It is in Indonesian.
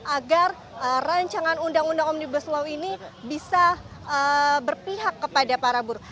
agar rancangan undang undang omnibus law ini bisa berpihak kepada para buruh